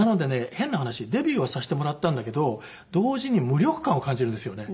変な話デビューはさせてもらったんだけど同時に無力感を感じるんですよね。